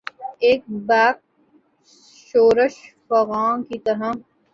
یک بیک شورش فغاں کی طرح